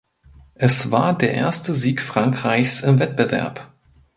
Es war der erste Sieg Frankreichs im Wettbewerb.